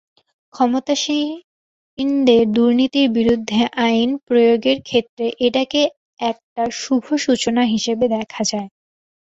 ক্ষমতাসীনদের দুর্নীতির বিরুদ্ধে আইন প্রয়োগের ক্ষেত্রে এটাকে একটা শুভসূচনা হিসেবে দেখা যায়।